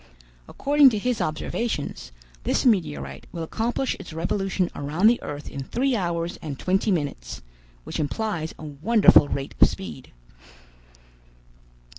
According to his observations, this meteorite will accomplish its revolution around the earth in three hours and twenty minutes, which implies a wonderful rate of speed."